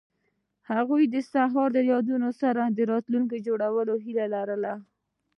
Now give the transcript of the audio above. هغوی د سهار له یادونو سره راتلونکی جوړولو هیله لرله.